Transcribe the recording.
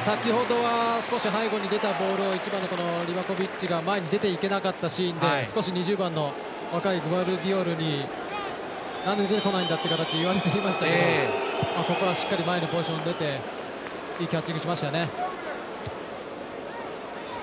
先ほどは少し背後に出たボールを１番のリバコビッチが前に出ていけなかったシーンで少し２０番の若いグバルディオルになんで出てこないんだと言われていましたけどここはしっかり前のポジションに出ていいキャッチングしましたよね。